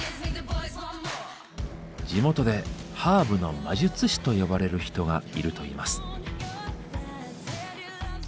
地元で「ハーブの魔術師」と呼ばれる人がいるといいます。